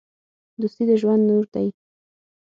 دوستي د ژوند نور دی.